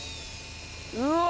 うわ！